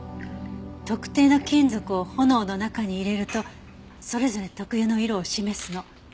特定の金属を炎の中に入れるとそれぞれ特有の色を示すの。